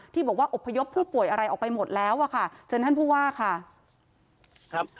ที่บอกว่าอบพยพผู้ป่วยอะไรออกไปหมดแล้วอ่ะค่ะเชิญท่านผู้ว่าค่ะครับ